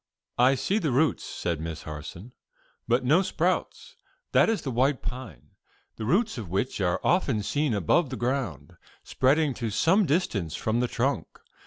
"I see the roots," said Miss Harson, "but no sprouts. That is the white pine, the roots of which are often seen above the ground, spreading to some distance from the trunk.